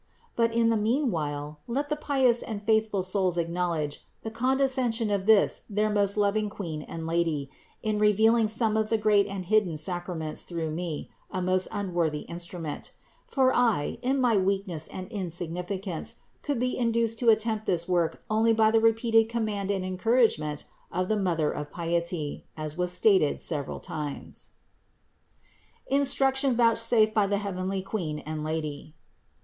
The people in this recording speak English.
But in the meanwhile let the pious and faithful souls acknowledge the condescension of this their most loving Queen and Lady in revealing some of the great and hidden sacraments through me, a most unworthy instrument; for I, in my weakness and insignificance, could be induced to attempt this work only by the repeated command and encouragement of the Mother of piety, as was stated several times. INSTRUCTION VOUCHSAFED BY THE HEAVENLY QUEEN AND LADY.